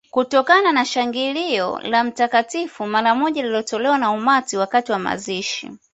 Kutokana na shangilio la Mtakatifu mara moja lililotolewa na umati wakati wa mazishi